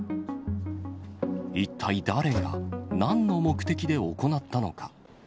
一体誰が、なんの目的で行ったのか。